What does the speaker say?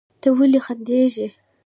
ته ولې خندېږې؟